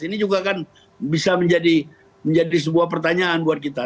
ini juga kan bisa menjadi sebuah pertanyaan buat kita